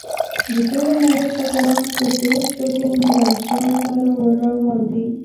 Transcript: د ټولې نړۍ قاتلان په سرو سترګو ميرانشاه ته را روان دي.